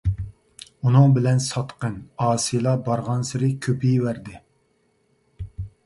ئۇنىڭ بىلەن ساتقىن، ئاسىيلار بارغانسېرى كۆپىيىۋەردى.